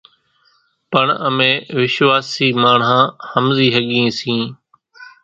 پڻ امين وشواسي ماڻۿان ۿمزي ۿڳيئين سيئين،